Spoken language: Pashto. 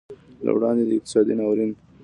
له وړاندې د اقتصادي ناورین